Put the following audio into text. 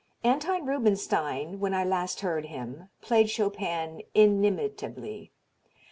Anton Rubinstein, when I last heard him, played Chopin inimitably.